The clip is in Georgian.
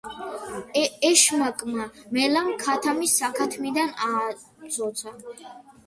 ეშმაკმა მელამ ქათამი საქათმიდან ააცოცა.